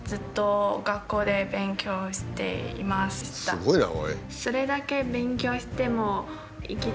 すごいなおい。